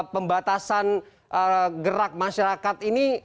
pembatasan gerak masyarakat ini